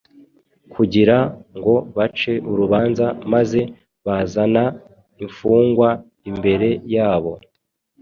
kugira ngo bace urubanza maze bazana imfungwa imbere yabo.